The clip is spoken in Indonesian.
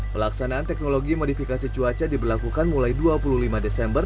pelaksanaan teknologi modifikasi cuaca diberlakukan mulai dua puluh lima desember